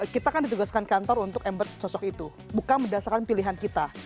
kita kan ditugaskan kantor untuk embet sosok itu bukan berdasarkan pilihan kita